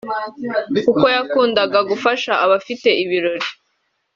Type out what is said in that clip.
kuko yakundaga gufasha abafite ibirori